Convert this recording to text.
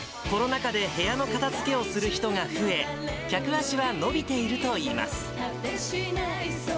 コロナ禍で部屋の片づけをする人が増え、客足は伸びているといいます。